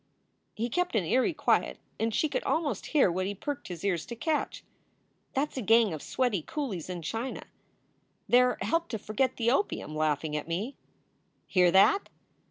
He kept an eerie quiet and she could almost hear what he perked his ears to catch. "That s a gang of sweaty coolies in China. They re helped to forget the opium, laughing at me. Hear that!